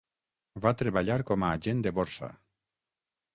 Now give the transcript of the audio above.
Va treballar com a agent de borsa.